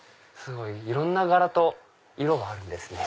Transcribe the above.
いろんな柄と色があるんですね。